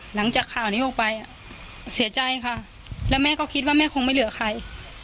หลังจากข่าวนี้ออกไปเสียใจค่ะแล้วแม่ก็คิดว่าแม่คงไม่เหลือใคร